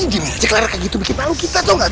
masa dijamin aja kelar kayak gitu bikin malu kita tau gak